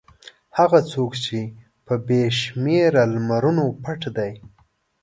هغه څوک چې په بې شمېره لمرونو پټ دی.